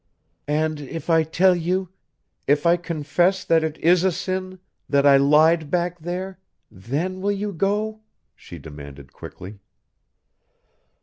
"And if I tell you if I confess that it is a sin, that I lied back there then will you go?" she demanded quickly.